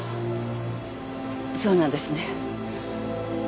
そうなんですね？